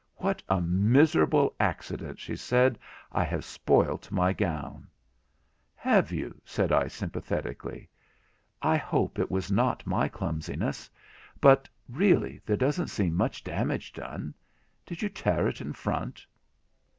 'What a miserable accident,' she said. 'I have spoilt my gown.' 'Have you?' said I sympathetically, 'I hope it was not my clumsiness—but really there doesn't seem much damage done. Did you tear it in front?'